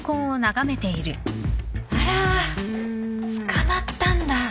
あら捕まったんだ。